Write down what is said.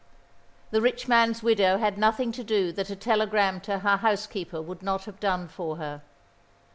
The rich man's widow had nothing to do that a telegram to her housekeeper would not have done for her.